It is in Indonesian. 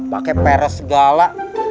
pakai peres segala